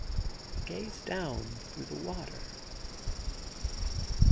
He gazed down through the water.